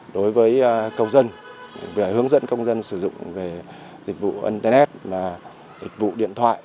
đối với công dân về hướng dẫn công dân sử dụng về dịch vụ internet và dịch vụ điện thoại